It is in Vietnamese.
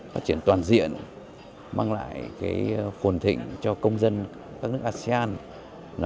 phát triển toàn diện mang lại phồn thịnh cho công dân các nước asean